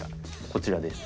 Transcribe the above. こちらです。